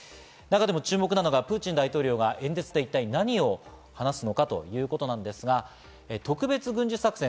中でも注目なのがプーチン大統領が演説で一体何を話すのかということなんですが、特別軍事作戦。